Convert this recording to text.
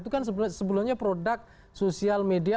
itu kan sebelumnya produk sosial media